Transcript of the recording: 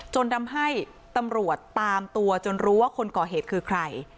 จนทำให้ตำรวจตามตัวจนรู้ว่าคนก่อเหตุคือใคร